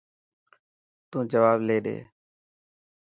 تون جواب لي ڏي.